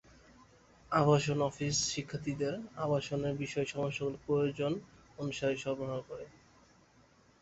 আবাসন অফিস শিক্ষার্থীদের আবাসনের বিষয়ে সমস্যাগুলোর প্রয়োজন অনুসারে সরবরাহ করে।